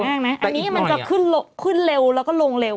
อันนี้มันจะขึ้นเร็วแล้วก็ลงเร็ว